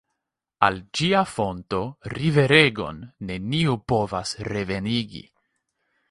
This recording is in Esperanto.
Al ĝia fonto riveregon neniu povas revenigi.